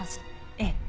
ええ。